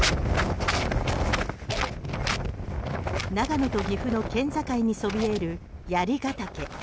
長野と岐阜の県境にそびえる槍ケ岳。